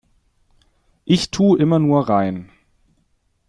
Ich tu' immer nur rein.